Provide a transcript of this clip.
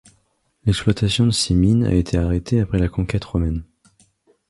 L’exploitation de ces mines a été arrêtée après la conquête romaine.